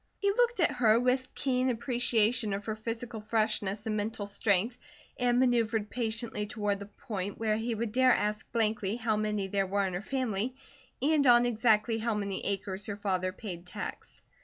He looked at her with keen appreciation of her physical freshness and mental strength, and manoeuvred patiently toward the point where he would dare ask blankly how many there were in her family, and on exactly how many acres her father paid tax.